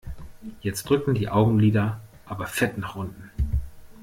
Jetzt drücken die Augenlider aber fett nach unten.